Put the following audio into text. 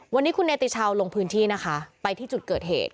วันนี้คุณเนติชาวลงพื้นที่นะคะไปที่จุดเกิดเหตุ